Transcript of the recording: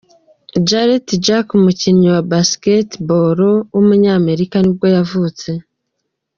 Jarrett Jack, umukinnyi wa basketball w’umunyamerika nibwo yavutse.